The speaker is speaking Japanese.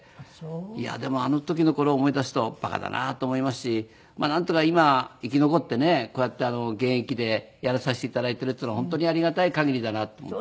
いやでもあの時の頃を思い出すと馬鹿だなと思いますしなんとか今生き残ってねこうやって現役でやらさせて頂いているっていうのは本当にありがたいかぎりだなと思って。